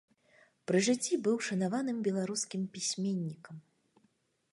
Пры жыцці быў шанаваным беларускім пісьменнікам.